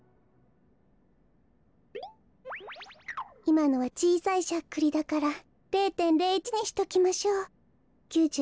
いまのはちいさいしゃっくりだから０．０１にしときましょう。